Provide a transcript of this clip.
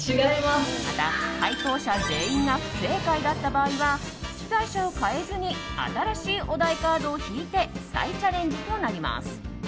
また、解答者全員が不正解だった場合は出題者を代えずに新しいお題カードを引いて再チャレンジとなります。